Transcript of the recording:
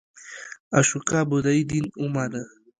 اشوکا بودایی دین ومانه.